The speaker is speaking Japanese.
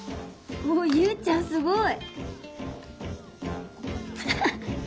ユウちゃんすごい！